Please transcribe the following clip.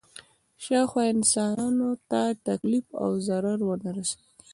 شاوخوا انسانانو ته تکلیف او ضرر ونه رسېږي.